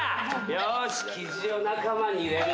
よしキジを仲間に入れるぞ。